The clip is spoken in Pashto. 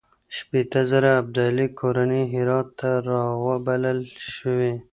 شپېته زره ابدالي کورنۍ هرات ته راوبلل شوې.